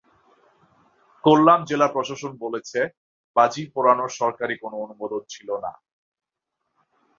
কোল্লাম জেলা প্রশাসন বলেছে, বাজি পোড়ানোর সরকারি কোনো অনুমোদন ছিল না।